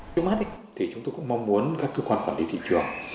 trước mắt thì chúng tôi cũng mong muốn các cơ quan quản lý thị trường